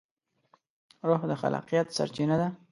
روح د خلاقیت سرچینه ده.